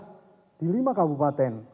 termasuk gubernur wakil gubernur dan pemerintah